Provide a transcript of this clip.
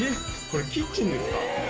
これキッチンですか？